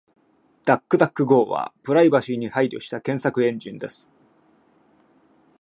DuckDuckGo はプライバシーに配慮した検索エンジンです。